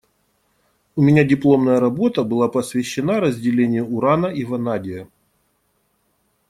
У меня дипломная работа, была посвящена разделению урана и ванадия.